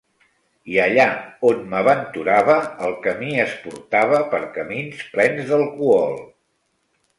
I allà on m'aventurava, el camí es portava per camins plens d'alcohol.